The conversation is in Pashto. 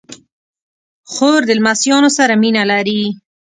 خور د لمسيانو سره مینه لري.